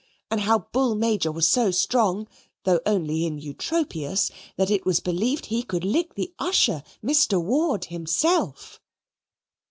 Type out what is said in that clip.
and how Bull Major was so strong (though only in Eutropius) that it was believed he could lick the Usher, Mr. Ward, himself.